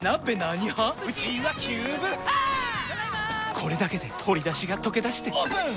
これだけで鶏だしがとけだしてオープン！